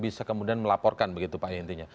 bisa kemudian melaporkan begitu pak ya intinya